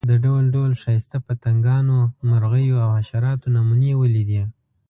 ما د ډول ډول ښایسته پتنګانو، مرغیو او حشراتو نمونې ولیدې.